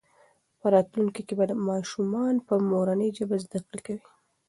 په راتلونکي کې به ماشومان په مورنۍ ژبه زده کړه کوي.